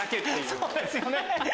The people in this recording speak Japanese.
そうですよね。